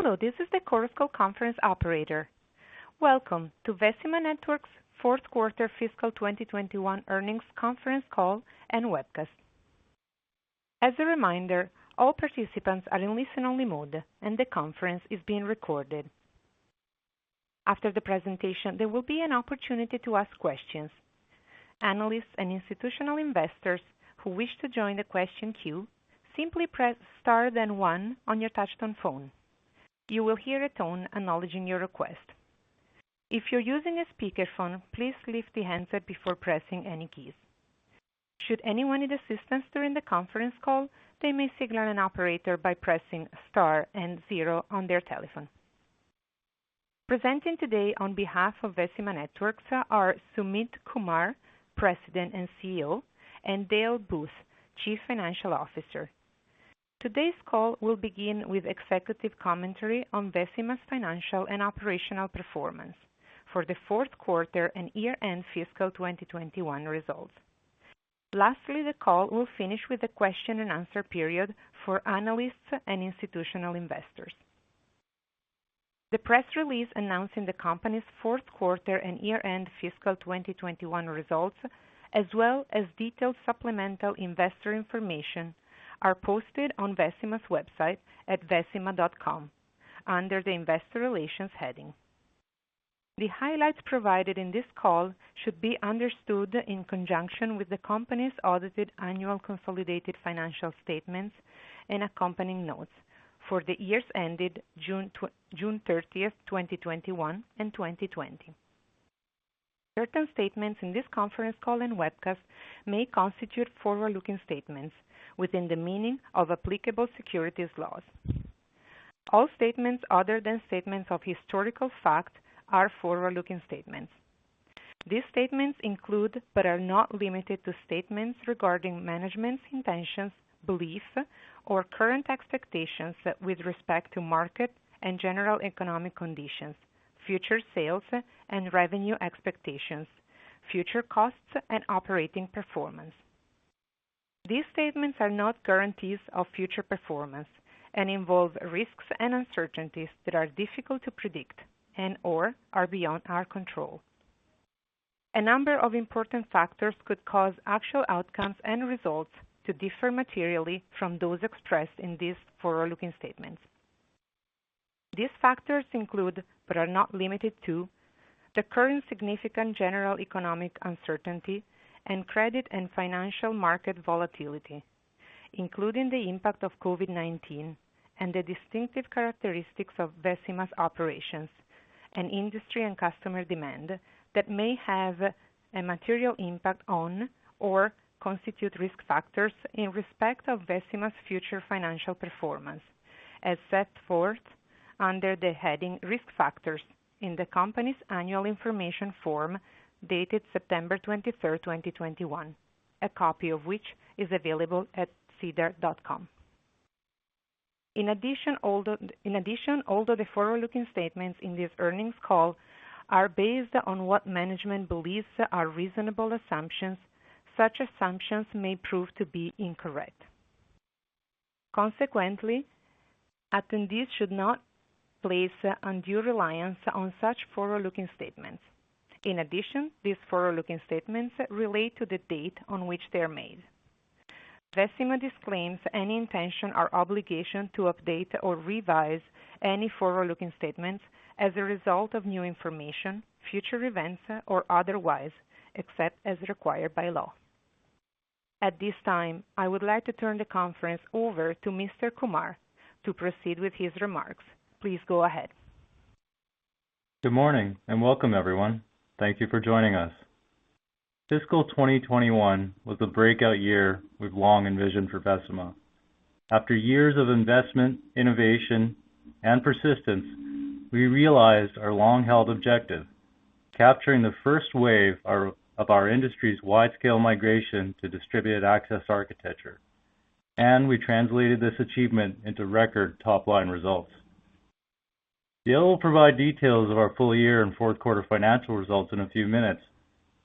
Hello, this is the Chorus Call conference operator. Welcome to Vecima Networks' fourth quarter fiscal 2021 earnings conference call and webcast. As a reminder, all participants are in listen-only mode and the conference is being recorded. After the presentation, there will be an opportunity to ask questions. Analysts and institutional investors who wish to join the question queue simply press star then one on your touch-tone phone. You will hear a tone acknowledging your request. If you're using a speakerphone, please lift the handset before pressing any keys. Should anyone need assistance during the conference call, they may signal an operator by pressing star and zero on their telephone. Presenting today on behalf of Vecima Networks are Sumit Kumar, President and CEO, and Dale Bohn, Chief Financial Officer. Today's call will begin with executive commentary on Vecima's financial and operational performance for the fourth quarter and year-end fiscal 2021 results. The call will finish with a question and answer period for analysts and institutional investors. The press release announcing the company's fourth quarter and year-end fiscal 2021 results, as well as detailed supplemental investor information, are posted on Vecima's website at vecima.com under the investor relations heading. The highlights provided in this call should be understood in conjunction with the company's audited annual consolidated financial statements and accompanying notes for the years ended June 30th, 2021 and 2020. Certain statements in this conference call and webcast may constitute forward-looking statements within the meaning of applicable securities laws. All statements other than statements of historical fact are forward-looking statements. These statements include, but are not limited to, statements regarding management's intentions, beliefs, or current expectations with respect to market and general economic conditions, future sales and revenue expectations, future costs, and operating performance. These statements are not guarantees of future performance and involve risks and uncertainties that are difficult to predict and/or are beyond our control. A number of important factors could cause actual outcomes and results to differ materially from those expressed in these forward-looking statements. These factors include, but are not limited to, the current significant general economic uncertainty and credit and financial market volatility, including the impact of COVID-19 and the distinctive characteristics of Vecima's operations and industry and customer demand that may have a material impact on or constitute risk factors in respect of Vecima's future financial performance, as set forth under the heading risk factors in the company's annual information form dated September 23rd, 2021, a copy of which is available at sedar.com. Although the forward-looking statements in this earnings call are based on what management believes are reasonable assumptions, such assumptions may prove to be incorrect. Attendees should not place undue reliance on such forward-looking statements. These forward-looking statements relate to the date on which they are made. Vecima disclaims any intention or obligation to update or revise any forward-looking statements as a result of new information, future events, or otherwise, except as required by law. At this time, I would like to turn the conference over to Mr. Kumar to proceed with his remarks. Please go ahead. Good morning and welcome, everyone. Thank you for joining us. Fiscal 2021 was the breakout year we've long envisioned for Vecima. After years of investment, innovation, and persistence, we realized our long-held objective, capturing the first wave of our industry's wide-scale migration to Distributed Access Architecture. We translated this achievement into record top-line results. Dale will provide details of our full year and fourth quarter financial results in a few minutes,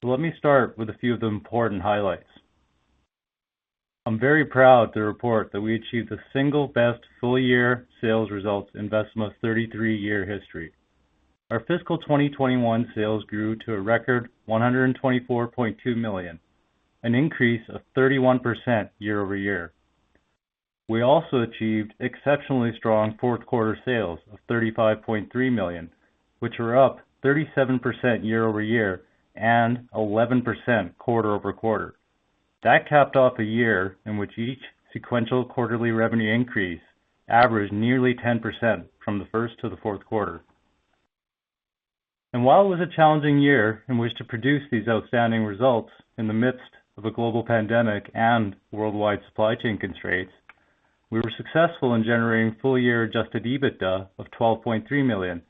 but let me start with a few of the important highlights. I'm very proud to report that we achieved the single best full-year sales results in Vecima's 33-year history. Our fiscal 2021 sales grew to a record 124.2 million, an increase of 31% year over year. We also achieved exceptionally strong fourth quarter sales of 35.3 million, which were up 37% year over year and 11% quarter over quarter. That capped off a year in which each sequential quarterly revenue increase averaged nearly 10% from the first to the fourth quarter. While it was a challenging year in which to produce these outstanding results in the midst of a global pandemic and worldwide supply chain constraints, we were successful in generating full-year adjusted EBITDA of CAD 12.3 million,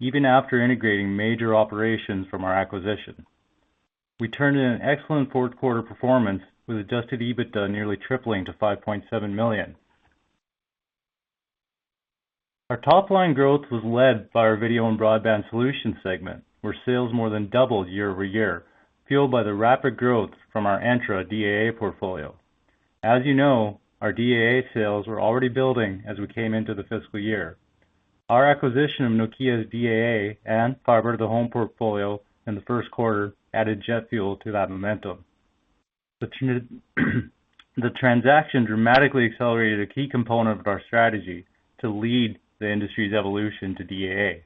even after integrating major operations from our acquisition. We turned in an excellent fourth quarter performance with adjusted EBITDA nearly tripling to 5.7 million. Our top-line growth was led by our Video and Broadband Solutions segment, where sales more than doubled year over year, fueled by the rapid growth from our Entra DAA portfolio. As you know, our DAA sales were already building as we came into the fiscal year. Our acquisition of Nokia's DAA and Fiber to the Home portfolio in the first quarter added jet fuel to that momentum. The transaction dramatically accelerated a key component of our strategy to lead the industry's evolution to DAA.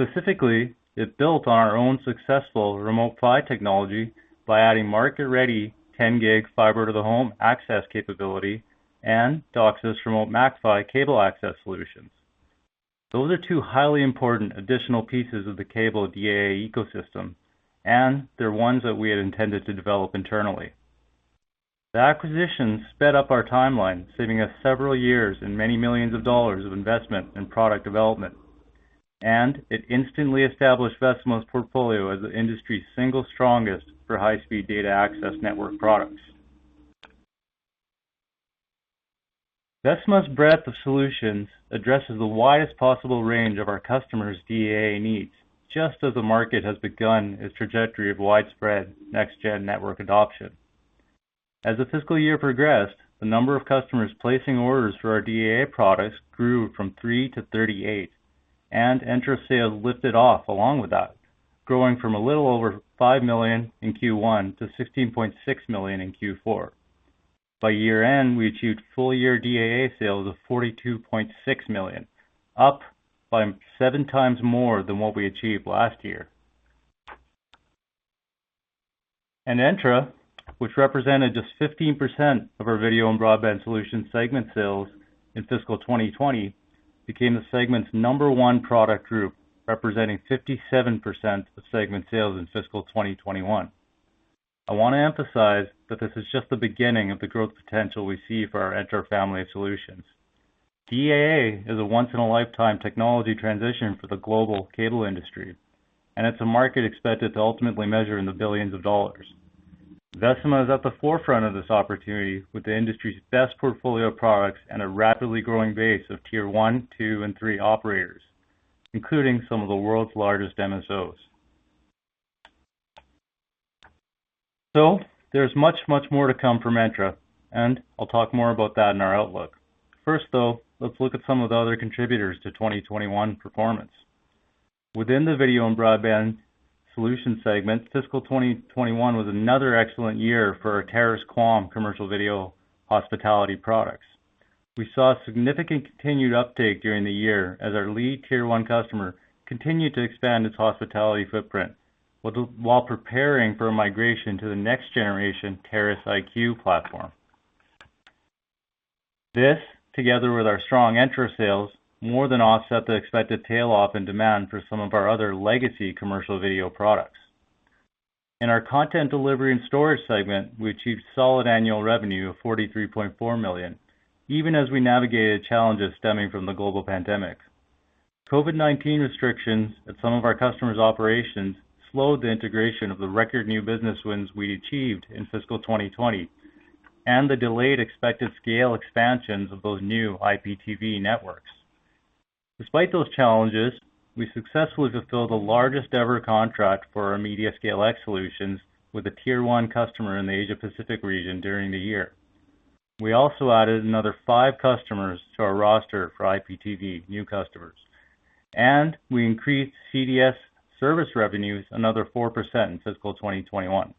Specifically, it built on our own successful Remote PHY technology by adding market-ready 10 gig Fiber to the Home access capability and DOCSIS Remote MAC-PHY cable access solutions. Those are two highly important additional pieces of the cable DAA ecosystem. They're ones that we had intended to develop internally. The acquisition sped up our timeline, saving us several years and many millions of CAD of investment in product development. It instantly established Vecima's portfolio as the industry's single strongest for high-speed data access network products. Vecima's breadth of solutions addresses the widest possible range of our customers' DAA needs, just as the market has begun its trajectory of widespread next-gen network adoption. As the fiscal year progressed, the number of customers placing orders for our DAA products grew from three to 38. Entra sales lifted off along with that, growing from a little over 5 million in Q1 to 16.6 million in Q4. By year-end, we achieved full-year DAA sales of 42.6 million, up by seven times more than what we achieved last year. Entra, which represented just 15% of our Video and Broadband Solutions segment sales in fiscal 2020, became the segment's number one product group, representing 57% of segment sales in fiscal 2021. I want to emphasize that this is just the beginning of the growth potential we see for our Entra family of solutions. DAA is a once-in-a-lifetime technology transition for the global cable industry. It's a market expected to ultimately measure in the billions of CAD. Vecima is at the forefront of this opportunity with the industry's best portfolio of products and a rapidly growing base of tier 1, 2, and 3 operators, including some of the world's largest MSOs. There's much, much more to come from Entra, and I'll talk more about that in our outlook. First, though, let's look at some of the other contributors to 2021 performance. Within the Video and Broadband Solutions segment, fiscal 2021 was another excellent year for our Terrace QAM commercial video hospitality products. We saw significant continued uptake during the year as our lead tier 1 customer continued to expand its hospitality footprint, while preparing for a migration to the next generation Terrace IQ platform. This, together with our strong Entra sales, more than offset the expected tailoff in demand for some of our other legacy commercial video products. In our Content Delivery and Storage segment, we achieved solid annual revenue of 43.4 million, even as we navigated challenges stemming from the global pandemic. COVID-19 restrictions at some of our customers' operations slowed the integration of the record new business wins we achieved in fiscal 2020 and the delayed expected scale expansions of those new IPTV networks. Despite those challenges, we successfully fulfilled the largest-ever contract for our MediaScaleX solutions with a tier 1 customer in the Asia Pacific region during the year. We also added another five customers to our roster for IPTV, new customers, and we increased CDS service revenues another 4% in fiscal 2021.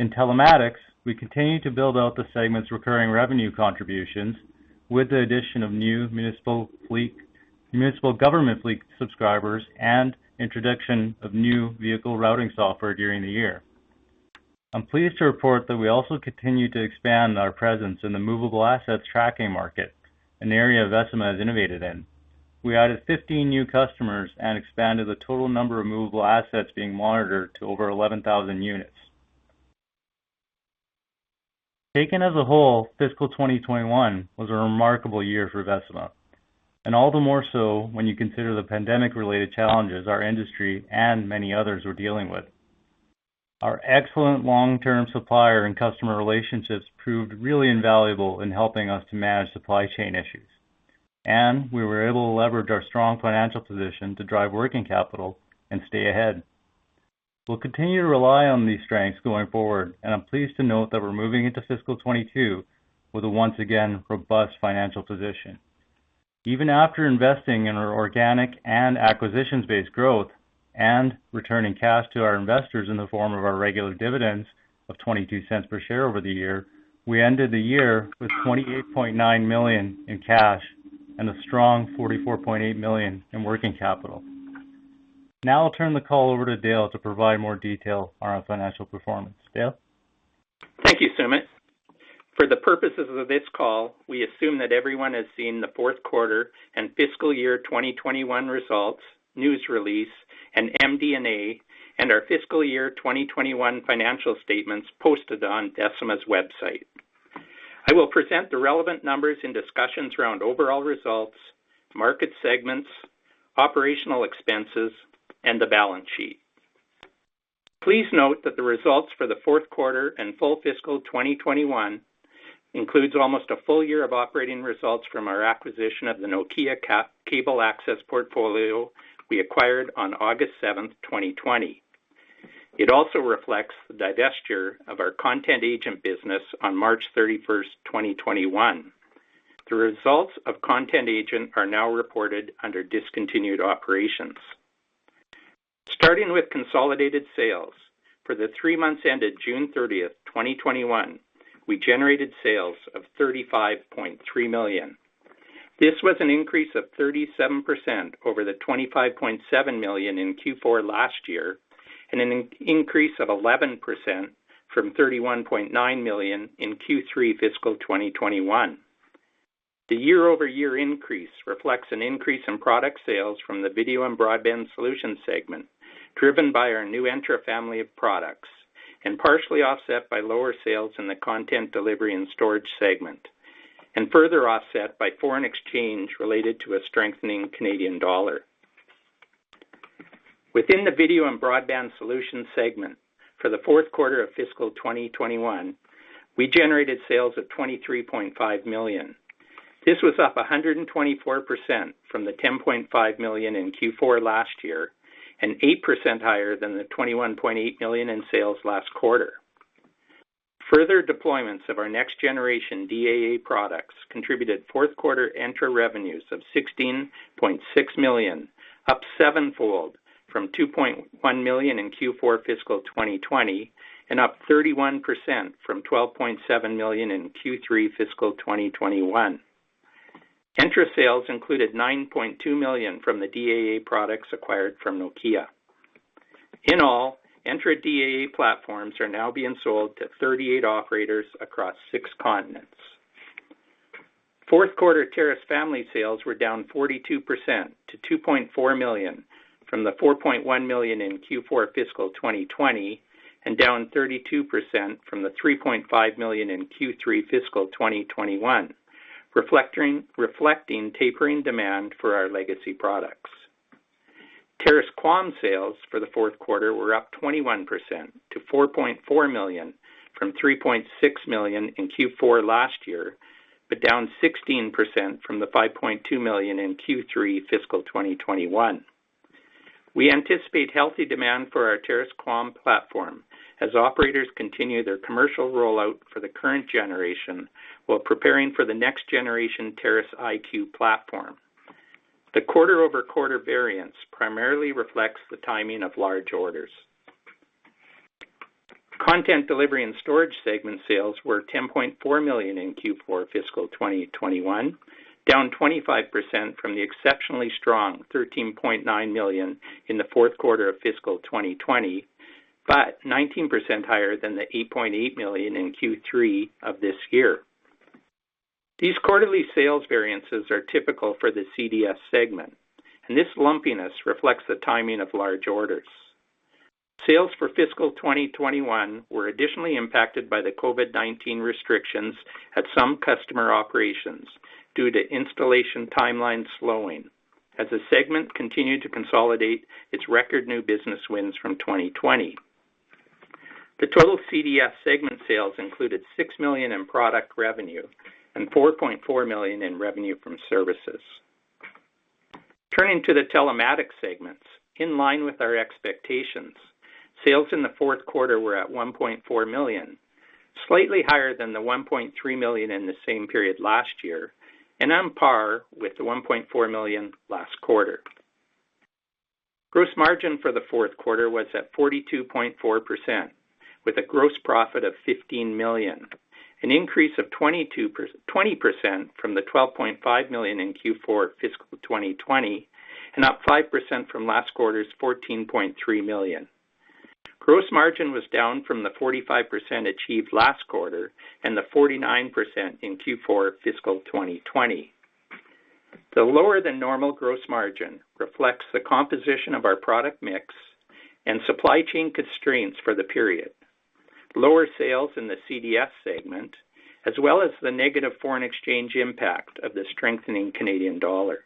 In Telematics, we continued to build out the segment's recurring revenue contributions with the addition of new municipal government fleet subscribers and introduction of new vehicle routing software during the year. I'm pleased to report that we also continued to expand our presence in the movable assets tracking market, an area Vecima has innovated in. We added 15 new customers and expanded the total number of movable assets being monitored to over 11,000 units. Taken as a whole, fiscal 2021 was a remarkable year for Vecima, and all the more so when you consider the pandemic-related challenges our industry and many others were dealing with. Our excellent long-term supplier and customer relationships proved really invaluable in helping us to manage supply chain issues, and we were able to leverage our strong financial position to drive working capital and stay ahead. We'll continue to rely on these strengths going forward, and I'm pleased to note that we're moving into fiscal 2022 with a once again robust financial position. Even after investing in our organic and acquisitions-based growth and returning cash to our investors in the form of our regular dividends of 0.22 per share over the year, we ended the year with 28.9 million in cash and a strong 44.8 million in working capital. Now I'll turn the call over to Dale to provide more detail on our financial performance. Dale? Thank you, Sumit. For the purposes of this call, we assume that everyone has seen the fourth quarter and fiscal year 2021 results, news release, and MD&A and our fiscal year 2021 financial statements posted on Vecima's website. I will present the relevant numbers and discussions around overall results, market segments, operational expenses, and the balance sheet. Please note that the results for the fourth quarter and full fiscal 2021 includes almost a full year of operating results from our acquisition of the Nokia Cable Access portfolio we acquired on August 7th, 2020. It also reflects the divestiture of our Content Agent business on March 31st, 2021. The results of Content Agent are now reported under discontinued operations. Starting with consolidated sales, for the three months ended June 30th, 2021, we generated sales of 35.3 million. This was an increase of 37% over 25.7 million in Q4 last year, and an increase of 11% from 31.9 million in Q3 fiscal 2021. The year-over-year increase reflects an increase in product sales from the Video and Broadband Solutions segment, driven by our new Entra family of products, and partially offset by lower sales in the Content Delivery and Storage segment, and further offset by foreign exchange related to a strengthening Canadian dollar. Within the Video and Broadband Solutions segment, for the fourth quarter of fiscal 2021, we generated sales of 23.5 million. This was up 124% from 10.5 million in Q4 last year, and 8% higher than 21.8 million in sales last quarter. Further deployments of our next generation DAA products contributed fourth quarter Entra revenues of 16.6 million, up sevenfold from 2.1 million in Q4 fiscal 2020, and up 31% from 12.7 million in Q3 fiscal 2021. Entra sales included 9.2 million from the DAA products acquired from Nokia. In all, Entra DAA platforms are now being sold to 38 operators across six continents. Fourth quarter Terrace family sales were down 42% to 2.4 million from 4.1 million in Q4 fiscal 2020, and down 32% from 3.5 million in Q3 fiscal 2021, reflecting tapering demand for our legacy products. Terrace QAM sales for the fourth quarter were up 21% to 4.4 million from 3.6 million in Q4 last year, but down 16% from 5.2 million in Q3 fiscal 2021. We anticipate healthy demand for our Terrace QAM platform as operators continue their commercial rollout for the current generation while preparing for the next generation Terrace IQ platform. The quarter-over-quarter variance primarily reflects the timing of large orders. Content Delivery and Storage segment sales were 10.4 million in Q4 fiscal 2021, down 25% from the exceptionally strong 13.9 million in the fourth quarter of fiscal 2020, but 19% higher than 8.8 million in Q3 of this year. These quarterly sales variances are typical for the CDS segment, and this lumpiness reflects the timing of large orders. Sales for fiscal 2021 were additionally impacted by the COVID-19 restrictions at some customer operations due to installation timeline slowing, as the segment continued to consolidate its record new business wins from 2020. The total CDS segment sales included 6 million in product revenue and 4.4 million in revenue from services. Turning to the Telematics segments, in line with our expectations, sales in the fourth quarter were at 1.4 million, slightly higher than the 1.3 million in the same period last year, and on par with the 1.4 million last quarter. Gross margin for the fourth quarter was at 42.4%, with a gross profit of 15 million, an increase of 20% from the 12.5 million in Q4 fiscal 2020, and up 5% from last quarter's 14.3 million. Gross margin was down from the 45% achieved last quarter and the 49% in Q4 fiscal 2020. The lower than normal gross margin reflects the composition of our product mix and supply chain constraints for the period, lower sales in the CDS segment, as well as the negative foreign exchange impact of the strengthening Canadian dollar.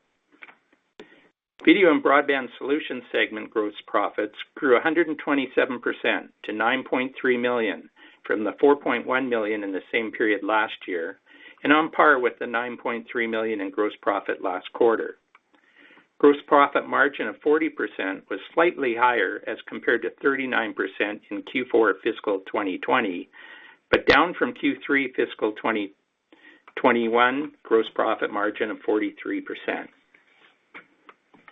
Video and Broadband Solutions segment gross profits grew 127% to 9.3 million from the 4.1 million in the same period last year, and on par with the 9.3 million in gross profit last quarter. Gross profit margin of 40% was slightly higher as compared to 39% in Q4 fiscal 2020, but down from Q3 fiscal 2021 gross profit margin of 43%.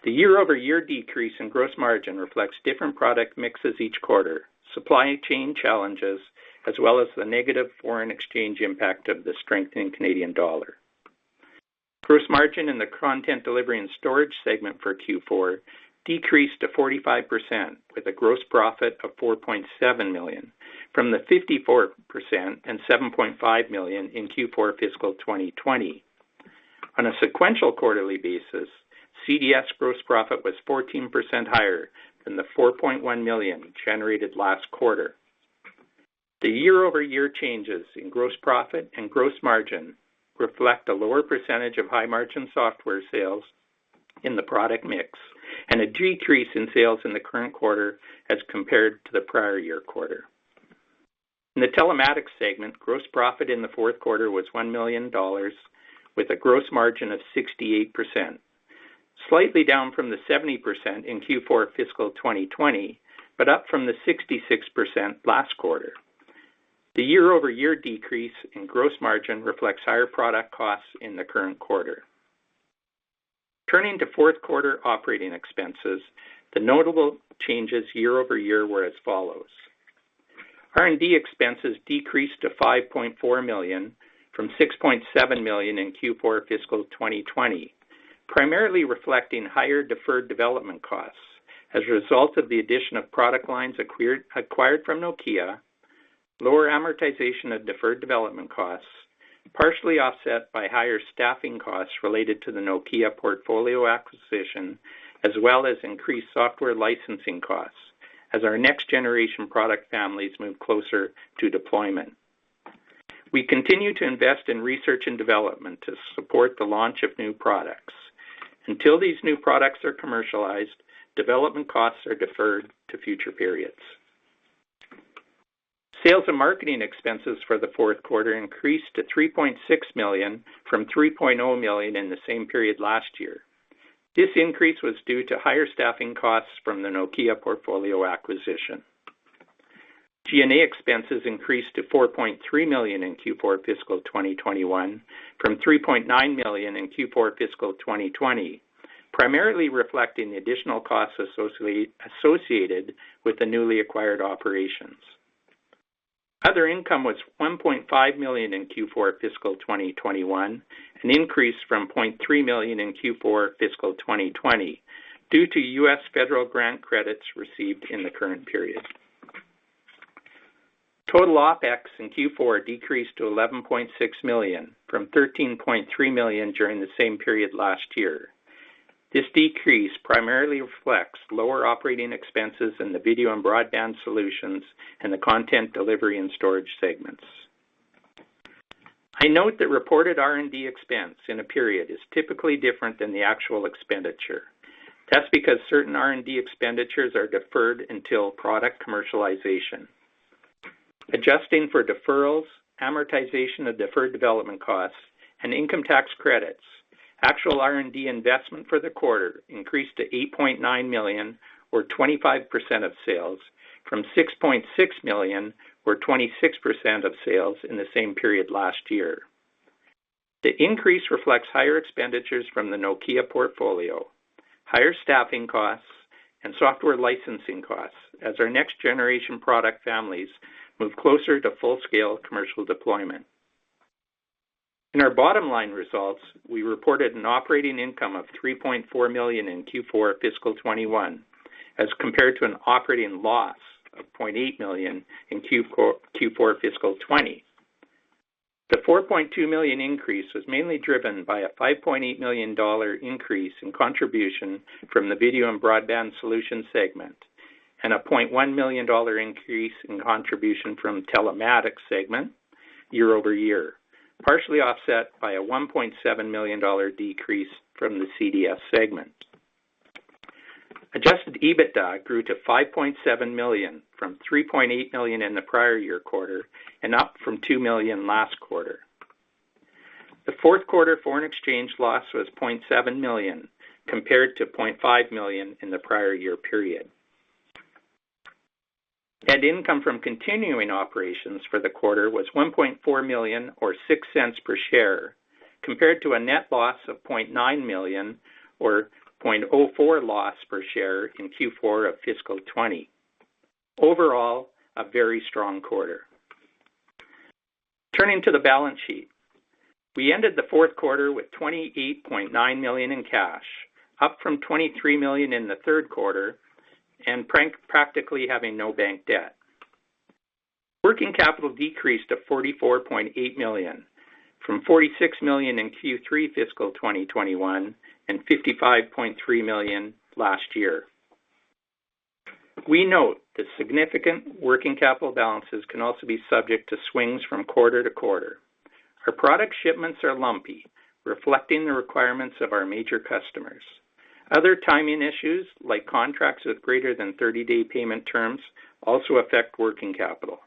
The year-over-year decrease in gross margin reflects different product mixes each quarter, supply chain challenges, as well as the negative foreign exchange impact of the strengthening Canadian dollar. Gross margin in the Content Delivery and Storage segment for Q4 decreased to 45%, with a gross profit of 4.7 million from the 54% and 7.5 million in Q4 fiscal 2020. On a sequential quarterly basis, CDS gross profit was 14% higher than the 4.1 million generated last quarter. The year-over-year changes in gross profit and gross margin reflect a lower percentage of high margin software sales in the product mix and a decrease in sales in the current quarter as compared to the prior year quarter. In the Telematics segment, gross profit in the fourth quarter was 1 million dollars, with a gross margin of 68%, slightly down from the 70% in Q4 fiscal 2020, but up from the 66% last quarter. The year-over-year decrease in gross margin reflects higher product costs in the current quarter. Turning to fourth quarter operating expenses, the notable changes year-over-year were as follows. R&D expenses decreased to 5.4 million from 6.7 million in Q4 fiscal 2020, primarily reflecting higher deferred development costs as a result of the addition of product lines acquired from Nokia, lower amortization of deferred development costs, partially offset by higher staffing costs related to the Nokia portfolio acquisition, as well as increased software licensing costs as our next-generation product families move closer to deployment. We continue to invest in research and development to support the launch of new products. Until these new products are commercialized, development costs are deferred to future periods. Sales and marketing expenses for the fourth quarter increased to 3.6 million from 3.0 million in the same period last year. This increase was due to higher staffing costs from the Nokia portfolio acquisition. G&A expenses increased to 4.3 million in Q4 fiscal 2021 from 3.9 million in Q4 fiscal 2020, primarily reflecting the additional costs associated with the newly acquired operations. Other income was 1.5 million in Q4 fiscal 2021, an increase from 0.3 million in Q4 fiscal 2020 due to U.S. federal grant credits received in the current period. Total OpEx in Q4 decreased to 11.6 million from 13.3 million during the same period last year. This decrease primarily reflects lower operating expenses in the Video and Broadband Solutions and the Content Delivery and Storage segments. I note that reported R&D expense in a period is typically different than the actual expenditure. That's because certain R&D expenditures are deferred until product commercialization. Adjusting for deferrals, amortization of deferred development costs, and income tax credits, actual R&D investment for the quarter increased to 8.9 million or 25% of sales from 6.6 million or 26% of sales in the same period last year. The increase reflects higher expenditures from the Nokia portfolio, higher staffing costs, and software licensing costs as our next-generation product families move closer to full-scale commercial deployment. In our bottom-line results, we reported an operating income of 3.4 million in Q4 fiscal 2021, as compared to an operating loss of 0.8 million in Q4 fiscal 2020. The 4.2 million increase was mainly driven by a 5.8 million dollar increase in contribution from the Video and Broadband Solutions segment and a 0.1 million dollar increase in contribution from Telematics segment year-over-year, partially offset by a 1.7 million dollar decrease from the CDS segment. Adjusted EBITDA grew to 5.7 million from 3.8 million in the prior year quarter and up from 2 million last quarter. The fourth quarter foreign exchange loss was 0.7 million, compared to 0.5 million in the prior year period. Net income from continuing operations for the quarter was 1.4 million or 0.06 per share, compared to a net loss of 0.9 million or 0.04 loss per share in Q4 of fiscal 2020. Overall, a very strong quarter. Turning to the balance sheet. We ended the fourth quarter with 28.9 million in cash, up from 23 million in the third quarter, and practically having no bank debt. Working capital decreased to 44.8 million from 46 million in Q3 fiscal 2021 and 55.3 million last year. We note that significant working capital balances can also be subject to swings from quarter-to-quarter. Our product shipments are lumpy, reflecting the requirements of our major customers. Other timing issues, like contracts with greater than 30-day payment terms, also affect working capital,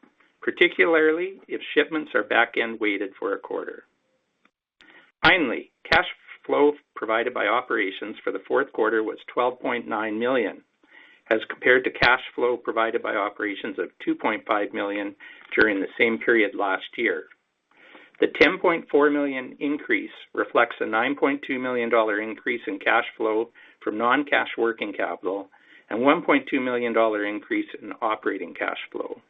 particularly if shipments are back-end weighted for a quarter. Finally, cash flow provided by operations for the fourth quarter was 12.9 million, as compared to cash flow provided by operations of 2.5 million during the same period last year. The 10.4 million increase reflects a 9.2 million dollar increase in cash flow from non-cash working capital and 1.2 million dollar increase in operating cash flow.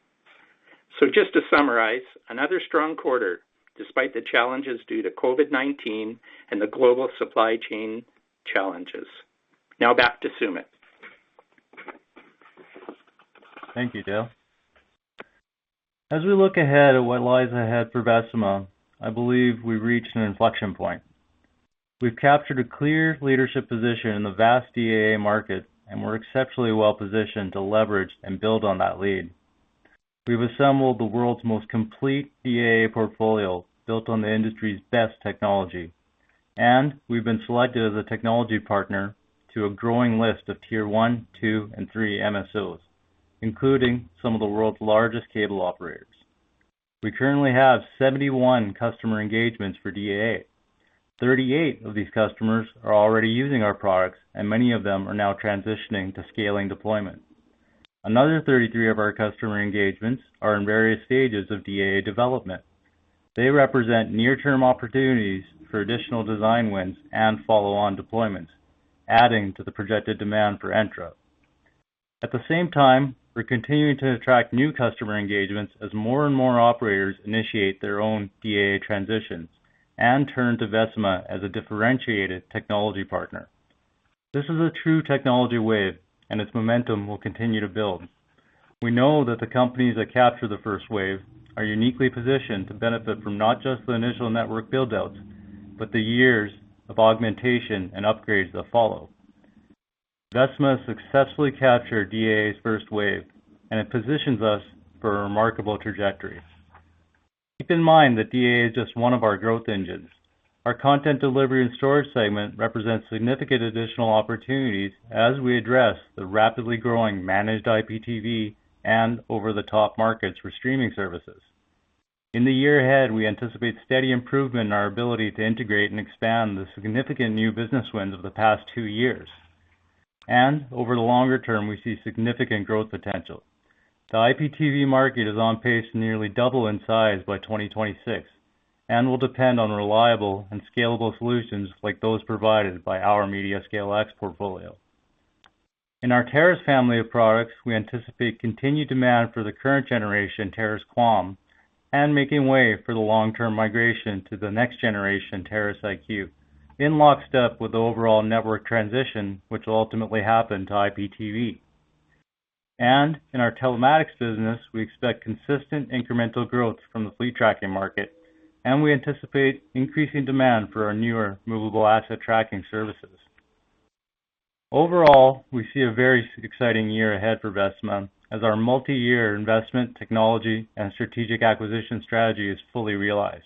Just to summarize, another strong quarter despite the challenges due to COVID-19 and the global supply chain challenges. Now back to Sumit. Thank you, Dale. As we look ahead at what lies ahead for Vecima, I believe we've reached an inflection point. We've captured a clear leadership position in the vast DAA market, and we're exceptionally well-positioned to leverage and build on that lead. We've assembled the world's most complete DAA portfolio built on the industry's best technology, and we've been selected as a technology partner to a growing list of tier 1, 2, and 3 MSOs, including some of the world's largest cable operators. We currently have 71 customer engagements for DAA. 38 of these customers are already using our products, and many of them are now transitioning to scaling deployment. Another 33 of our customer engagements are in various stages of DAA development. They represent near-term opportunities for additional design wins and follow-on deployments, adding to the projected demand for Entra. At the same time, we're continuing to attract new customer engagements as more and more operators initiate their own DAA transitions and turn to Vecima as a differentiated technology partner. This is a true technology wave, and its momentum will continue to build. We know that the companies that capture the first wave are uniquely positioned to benefit from not just the initial network build-outs, but the years of augmentation and upgrades that follow. Vecima successfully captured DAA's first wave, and it positions us for a remarkable trajectory. Keep in mind that DAA is just one of our growth engines. Our Content Delivery and Storage segment represents significant additional opportunities as we address the rapidly growing managed IPTV and over-the-top markets for streaming services. In the year ahead, we anticipate steady improvement in our ability to integrate and expand the significant new business wins of the past two years. Over the longer term, we see significant growth potential. The IPTV market is on pace to nearly double in size by 2026 and will depend on reliable and scalable solutions like those provided by our MediaScaleX portfolio. In our Terrace family of products, we anticipate continued demand for the current generation Terrace QAM and making way for the long-term migration to the next generation Terrace IQ, in lockstep with the overall network transition, which will ultimately happen to IPTV. In our Telematics business, we expect consistent incremental growth from the fleet tracking market, and we anticipate increasing demand for our newer movable asset tracking services. Overall, we see a very exciting year ahead for Vecima as our multi-year investment technology and strategic acquisition strategy is fully realized.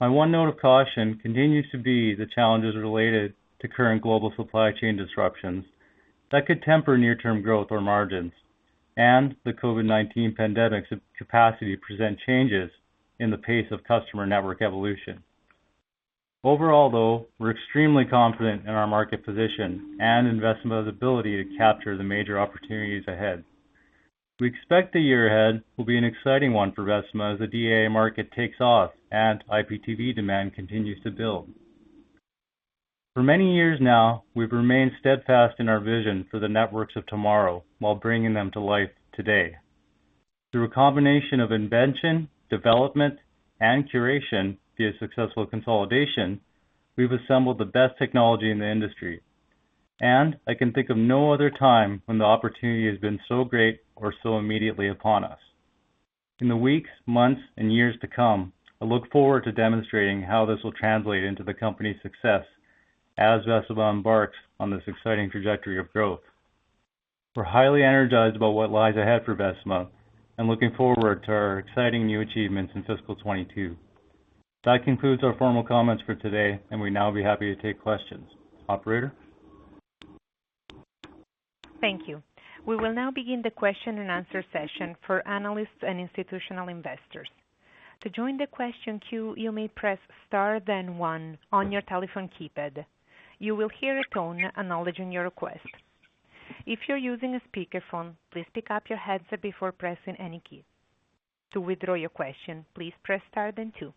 My one note of caution continues to be the challenges related to current global supply chain disruptions that could temper near-term growth or margins and the COVID-19 pandemic's capacity to present changes in the pace of customer network evolution. Overall, though, we're extremely confident in our market position and in Vecima's ability to capture the major opportunities ahead. We expect the year ahead will be an exciting one for Vecima as the DAA market takes off and IPTV demand continues to build. For many years now, we've remained steadfast in our vision for the networks of tomorrow while bringing them to life today. Through a combination of invention, development, and curation via successful consolidation, we've assembled the best technology in the industry. I can think of no other time when the opportunity has been so great or so immediately upon us. In the weeks, months, and years to come, I look forward to demonstrating how this will translate into the company's success as Vecima embarks on this exciting trajectory of growth. We're highly energized about what lies ahead for Vecima and looking forward to our exciting new achievements in fiscal 2022. That concludes our formal comments for today, we'd now be happy to take questions. Operator? Thank you. We will now begin the question and answer session for analysts and institutional investors. To join the question queue, you may press star then one on your telephone keypad. You will hear a tone acknowledging your request. If you're using a speakerphone, please pick up your headset before pressing any key. To withdraw your question, please press star then two.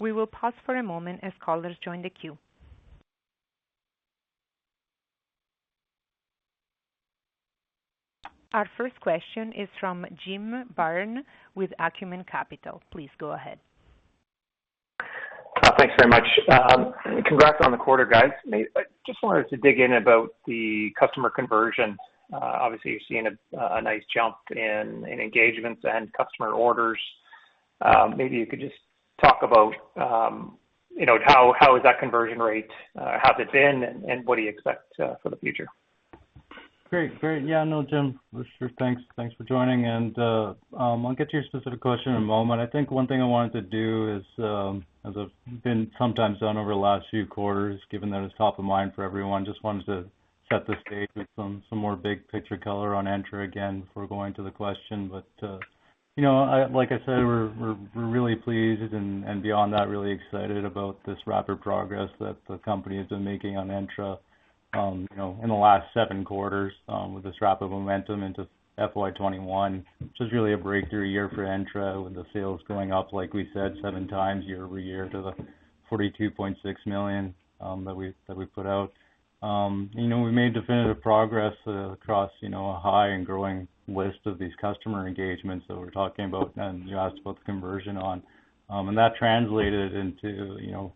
We will pause for a moment as callers join the queue. Our first question is from Jim Byrne with Acumen Capital. Please go ahead. Thanks very much. Congrats on the quarter, guys. I just wanted to dig in about the customer conversion. Obviously, you're seeing a nice jump in engagements and customer orders. Maybe you could just talk about how is that conversion rate, how has it been, and what do you expect for the future? Great. Yeah, no, Jim, for sure. Thanks for joining. I'll get to your specific question in a moment. I think one thing I wanted to do is, as I've been sometimes done over the last few quarters, given that it's top of mind for everyone, just wanted to set the stage with some more big picture color on Entra again before going to the question. Like I said, we're really pleased and beyond that, really excited about this rapid progress that the company has been making on Entra in the last seven quarters with this rapid momentum into FY 2021, which was really a breakthrough year for Entra with the sales going up, like we said, seven times year-over-year to the 42.6 million that we put out. We made definitive progress across a high and growing list of these customer engagements that we're talking about and you asked about the conversion on. That translated into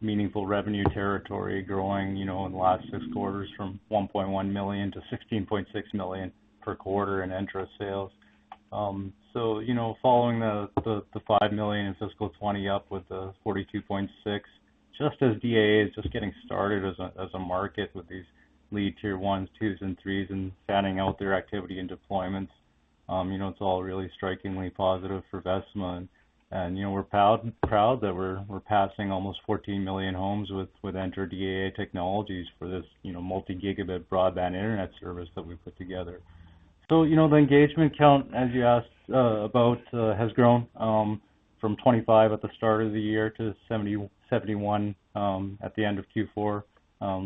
meaningful revenue territory growing in the last six quarters from 1.1 million to 16.6 million per quarter in Entra sales. Following the 5 million in fiscal 2020 up with the 42.6 million. Just as DAA is just getting started as a market with these lead tier 1s, 2s, and 3s and fanning out their activity and deployments, it's all really strikingly positive for Vecima. We're proud that we're passing almost 14 million homes with Entra DAA technologies for this multi-gigabit broadband internet service that we've put together. The engagement count, as you asked about has grown from 25 at the start of the year to 71 at the end of Q4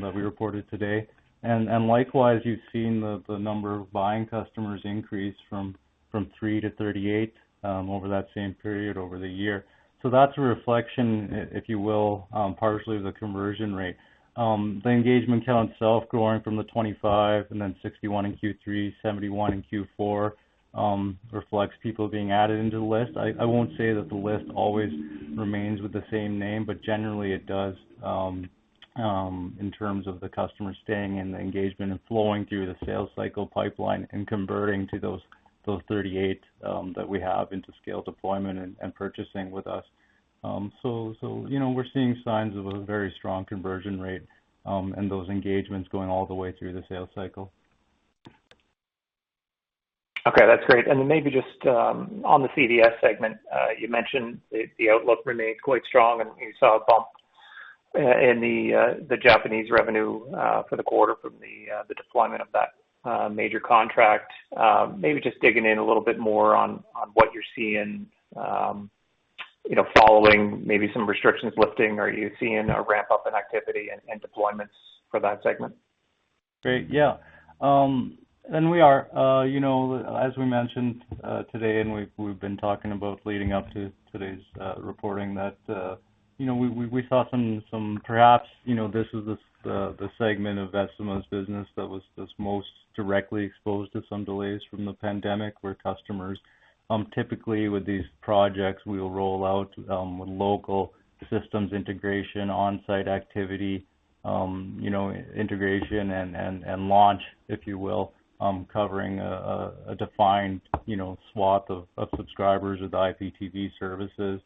that we reported today. Likewise, you've seen the number of buying customers increase from 3 to 38 over that same period over the year. That's a reflection, if you will, partially of the conversion rate. The engagement count itself growing from the 25 and 61 in Q3, 71 in Q4, reflects people being added into the list. I won't say that the list always remains with the same name, but generally it does in terms of the customer staying in the engagement and flowing through the sales cycle pipeline and converting to those 38 that we have into scale deployment and purchasing with us. We're seeing signs of a very strong conversion rate, and those engagements going all the way through the sales cycle. Okay. That's great. Maybe just on the CDS segment, you mentioned the outlook remained quite strong, and you saw a bump in the Japanese revenue for the quarter from the deployment of that major contract. Maybe just digging in a little bit more on what you're seeing following maybe some restrictions lifting. Are you seeing a ramp-up in activity and deployments for that segment? Great. Yeah. We are. As we mentioned today, we've been talking about leading up to today's reporting that we saw some, perhaps, this was the segment of Vecima's business that was the most directly exposed to some delays from the pandemic, where customers typically with these projects, we will roll out with local systems integration, on-site activity integration and launch, if you will, covering a defined swath of subscribers of the IPTV services.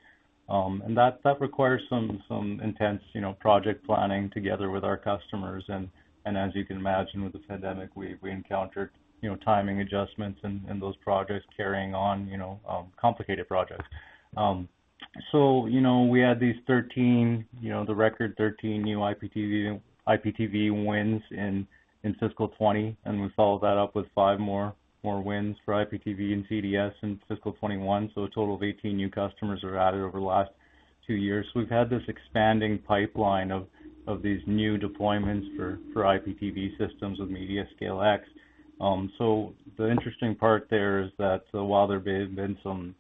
That requires some intense project planning together with our customers and as you can imagine, with the pandemic, we encountered timing adjustments in those projects carrying on, complicated projects. We had these 13, the record 13 new IPTV wins in fiscal 2020, and we followed that up with 5 more wins for IPTV and CDS in fiscal 2021. A total of 18 new customers were added over the last 2 years. We've had this expanding pipeline of these new deployments for IPTV systems with MediaScaleX. The interesting part there is that while there have been some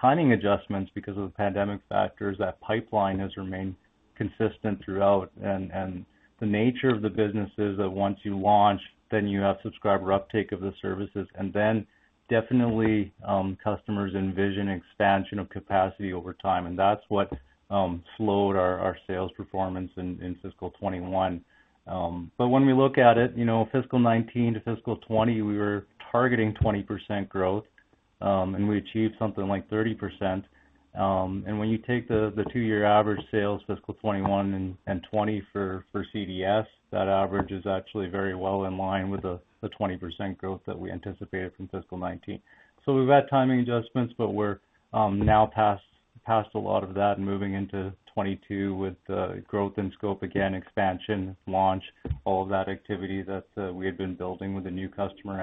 timing adjustments because of the pandemic factors, that pipeline has remained consistent throughout. The nature of the business is that once you launch, then you have subscriber uptake of the services, and then definitely customers envision expansion of capacity over time. That's what slowed our sales performance in fiscal 2021. But when we look at it, fiscal 2019 to fiscal 2020, we were targeting 20% growth, and we achieved something like 30%. When you take the two-year average sales fiscal 2021 and 2020 for CDS, that average is actually very well in line with the 20% growth that we anticipated from fiscal 2019. We've had timing adjustments, but we're now past a lot of that and moving into 2022 with growth and scope again, expansion, launch, all of that activity that we had been building with the new customer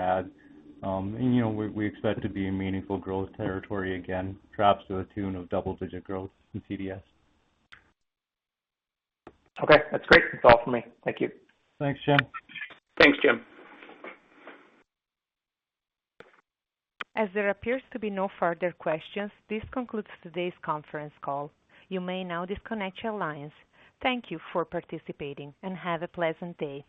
add. We expect to be in meaningful growth territory again, perhaps to the tune of double-digit growth in CDS. Okay. That's great. That's all from me. Thank you. Thanks, Jim. Thanks, Jim. As there appears to be no further questions, this concludes today's conference call. You may now disconnect your lines. Thank you for participating, and have a pleasant day.